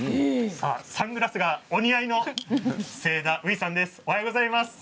サングラスお似合いの清田翔衣さんです。